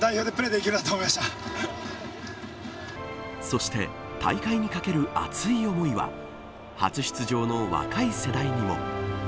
そして大会に懸ける熱い思いは初出場の若い世代にも。